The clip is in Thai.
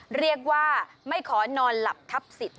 เรียกว่าไม่ขอนอนหลับทับสิทธ